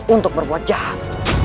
untuk berbuat jahat